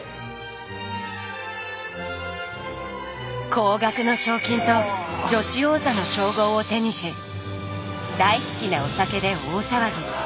高額の賞金と女子王座の称号を手にし大好きなお酒で大騒ぎ。